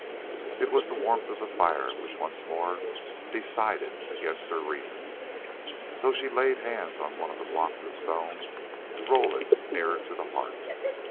It was the warmth of the fire which once more decided against her reason, so she laid hands on one of the blocks of stone to roll it nearer to the hearth.